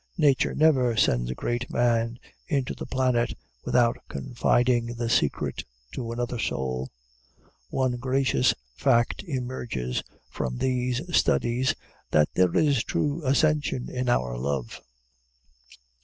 Nature never sends a great man into the planet without confiding the secret to another soul. One gracious fact emerges from these studies that there is true ascension in our love.